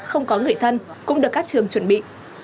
không có người thân cũng được các trường chuẩn bị